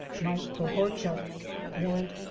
'' Mike Prohorchuk (Warrant No.